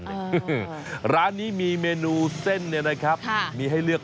ก็คือใส่เหนื้อเป็ดเยอะไปเลย